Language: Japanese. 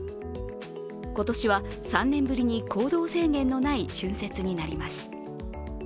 今年は３年ぶりに行動制限のない春節になります。